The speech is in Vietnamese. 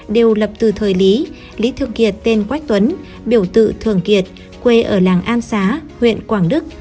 đều lập từ thời lý lý thực kiệt tên quách tuấn biểu tự thường kiệt quê ở làng an xá huyện quảng đức